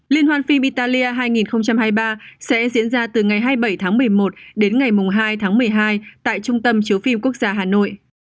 liên hoan phim italia hai nghìn hai mươi ba sẽ diễn ra từ ngày hai mươi bảy tháng một mươi một đến ngày hai tháng một mươi hai tại trung tâm chiếu phim quốc gia hà nội